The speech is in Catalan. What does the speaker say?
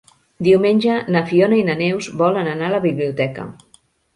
Diumenge na Fiona i na Neus volen anar a la biblioteca.